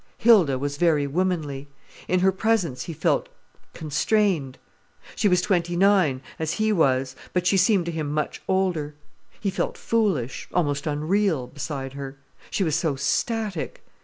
Hilda was very womanly. In her presence he felt constrained. She was twenty nine, as he was, but she seemed to him much older. He felt foolish, almost unreal, beside her. She was so static.